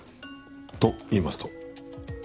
と言いますと？